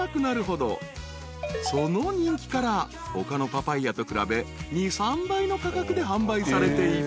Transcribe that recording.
［その人気から他のパパイアと比べ２３倍の価格で販売されている］